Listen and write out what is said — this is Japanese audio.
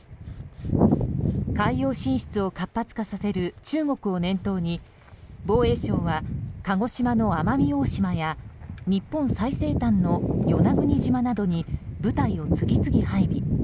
海洋進出を活発化させる中国を念頭に防衛省は鹿児島の奄美大島や日本最西端の与那国島などに部隊を次々配備。